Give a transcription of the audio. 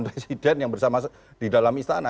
presiden yang bersama di dalam istana